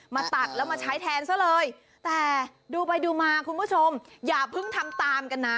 มาตัดแล้วมาใช้แทนซะเลยแต่ดูไปดูมาคุณผู้ชมอย่าเพิ่งทำตามกันนะ